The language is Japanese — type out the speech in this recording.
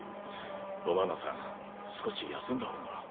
ロマーナさん少し休んだ方が。